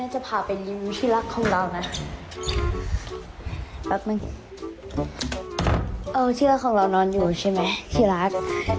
เอาเสื้อของเรานอนอยู่ใช่ไหมที่รัก